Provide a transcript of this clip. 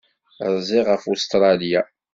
Rziɣ ɣef Ustṛalya.